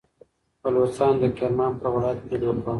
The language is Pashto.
بلوڅانو د کرمان پر ولایت برید وکړ.